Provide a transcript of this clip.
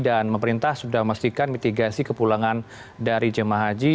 dan memerintah sudah memastikan mitigasi kepulangan dari jemaah haji